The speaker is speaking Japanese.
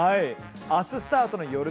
あすスタートのよる